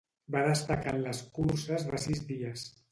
Va destacar en les curses de sis dies.